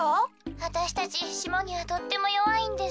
わたしたちしもにはとってもよわいんです。